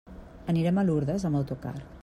Anirem a Lurdes amb autocar.